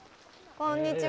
こんにちは。